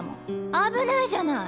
危ないじゃない！